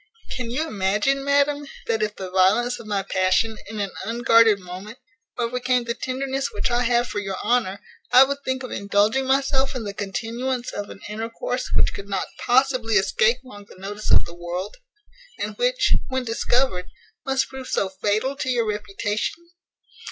Can you imagine, madam, that if the violence of my passion, in an unguarded moment, overcame the tenderness which I have for your honour, I would think of indulging myself in the continuance of an intercourse which could not possibly escape long the notice of the world; and which, when discovered, must prove so fatal to your reputation?